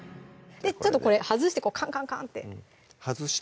ちょっとこれ外してカンカンカンって外して？